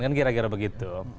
kan kira kira begitu